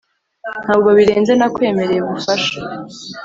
ntabwo birenze nakwemereye ubufasha